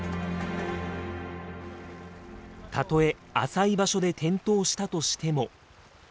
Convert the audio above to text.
たとえ浅い場所で転倒したとしても。